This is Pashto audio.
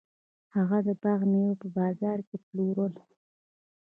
هغه د باغ میوه په بازار کې وپلورله.